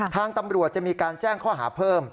ทางตำรวจจะมีการแจ้งข้อหาเพิ่ม